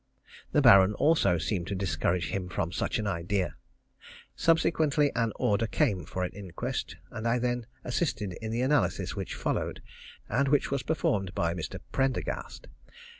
The Baron also seemed to discourage him from such an idea. Subsequently an order came for an inquest, and I then assisted at the analysis which followed, and which was performed by Mr. Prendergast.